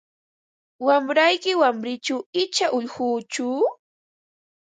Wamrayki warmichu icha ullquchu?